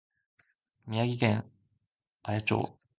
宮崎県綾町